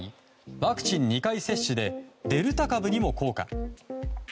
ワクチン２回接種でデルタ株にも効果。